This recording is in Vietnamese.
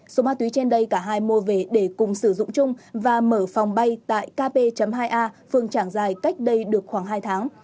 số ma túy trên đây cả hai mua về để cùng sử dụng chung và mở phòng bay tại kp hai a phường trảng dài cách đây được khoảng hai tháng